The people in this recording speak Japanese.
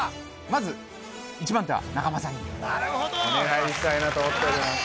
まず一番手は中間さんにお願いしたいなと思っております